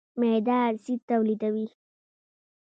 معده اسید تولیدوي.